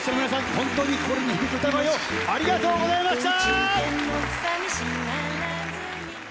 本当に心に響く歌声をありがとうございました！